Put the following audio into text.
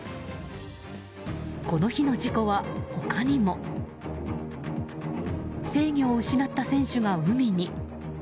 この日の事故は他にも。制御を失った選手が海に。